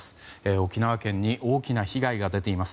沖縄県に大きな被害が出ています。